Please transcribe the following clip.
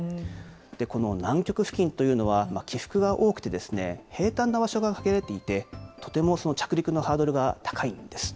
この南極付近というのは、起伏が多くて、平たんな場所が限られていて、とてもその着陸のハードルが高いんです。